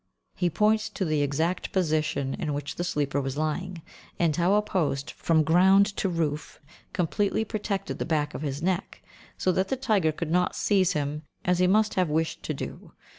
He points to the exact position in which the sleeper was lying, and how a post, from ground to roof, completely protected the back of his neck, so that the tiger could not seize him as he must have wished to do.